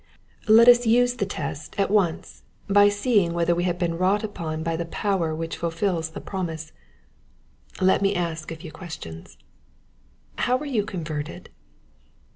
Let us use the test at once by seeing whether we have been wrought upon by the power which fulfils the promise. Let me ask a few questions, — How were you converted